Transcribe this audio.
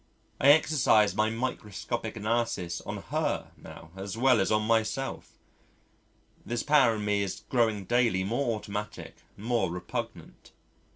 I exercise my microscopic analysis on her now as well as on myself.... This power in me is growing daily more automatic and more repugnant.